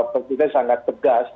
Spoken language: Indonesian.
petunjuknya sangat tegas